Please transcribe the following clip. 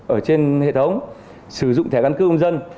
ở trên hệ thống sử dụng thẻ căn cước công dân